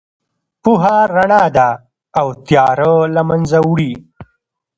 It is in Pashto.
پوهه رڼا ده او تیاره له منځه وړي.